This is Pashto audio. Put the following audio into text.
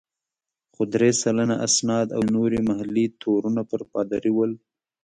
خو درې سلنه اسناد او ځینې نور محلي تورونه پر پادري ول.